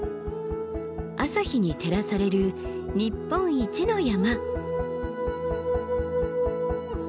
朝日に照らされる日本一の山。